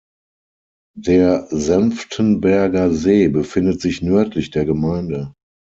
Der Senftenberger See befindet sich nördlich der Gemeinde.